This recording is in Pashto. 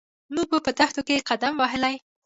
موږ په دښتو کې قدم وهلی.